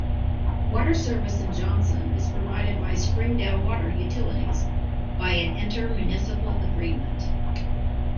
Water service in Johnson is provided by Springdale Water Utilities by an inter-municipal agreement.